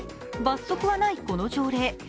罰則はないこの条例。